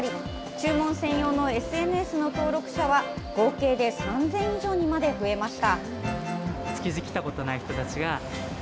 注文専用のＳＮＳの登録者は合計で３０００以上にまで増えました。